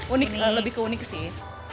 unik lebih keunik sih